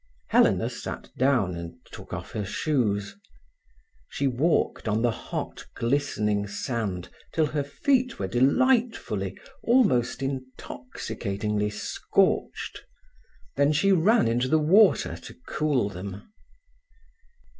Helena sat down and took off her shoes. She walked on the hot, glistening sand till her feet were delightfully, almost intoxicatingly scorched. Then she ran into the water to cool them.